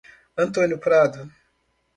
Antônio Prado